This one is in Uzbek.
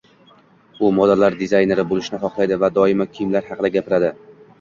U modalar dizayneri bo‘lishni xohlaydi va doimo kiyimlar haqida gapiradi.